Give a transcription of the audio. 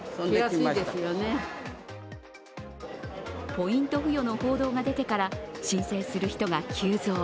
ポイント付与の報道が出てから申請する人が急増。